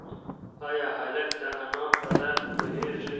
ایا هلک د انا په درد پوهېږي؟